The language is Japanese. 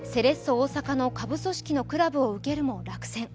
大阪の下部組織のクラブを受けるも落選。